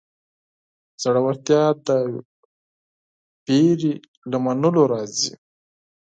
زړورتیا د وېرې له منلو راځي.